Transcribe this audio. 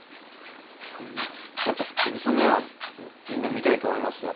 やっぱ蛭子さんの絵はみんな見たいと思いますよ。